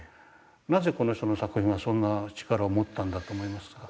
なぜこの人の作品がそんな力を持ったんだと思いますか。